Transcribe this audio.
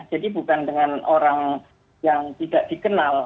jadi bukan dengan orang yang tidak dikenal